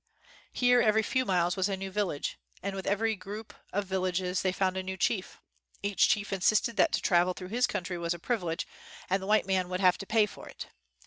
Here every few miles was a new village ; and with every group of vil lages they found a new chief. Each chief insisted that to traA^el through his country was a privilege, and the white man would have to pay for it.